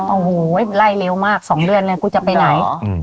โอ้โหไล่เร็วมาก๒เดือนเลยกูจะไปไหน